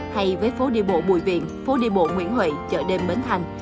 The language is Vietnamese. hay với phố đi bộ bùi viện phố đi bộ nguyễn huệ chợ đêm bến thành